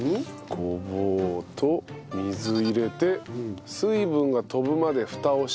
ごぼうと水入れて水分が飛ぶまでフタをして。